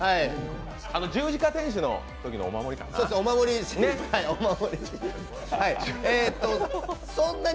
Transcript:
十字架天使のときのお守りかな？